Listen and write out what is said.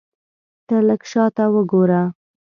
ته لږ شاته وګوره !